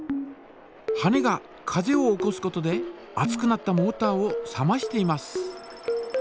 羽根が風を起こすことで熱くなったモータを冷ましています。